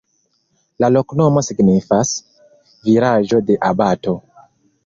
La loknomo signifas: vilaĝo de abato.